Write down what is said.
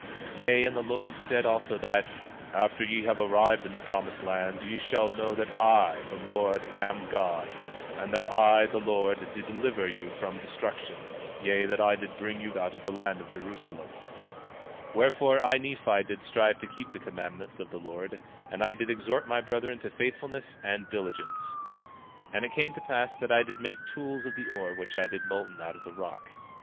17:14 Yea, and the Lord said also that: After ye have arrived in the promised land, ye shall know that I, the Lord, am God; and that I, the Lord, did deliver you from destruction; yea, that I did bring you out of the land of Jerusalem. 17:15 Wherefore, I, Nephi, did strive to keep the commandments of the Lord, and I did exhort my brethren to faithfulness and diligence. 17:16 And it came to pass that I did make tools of the ore which I did molten out of the rock.